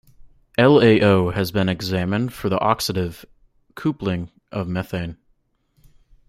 LaO has been examined for the oxidative coupling of methane.